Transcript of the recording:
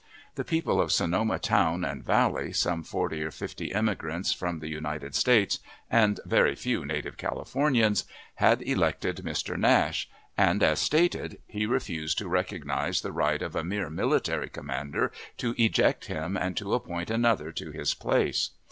The people of Sonoma town and valley, some forty or fifty immigrants from the United States, and very few native Californians, had elected Mr. Nash, and, as stated, he refused to recognize the right of a mere military commander to eject him and to appoint another to his place.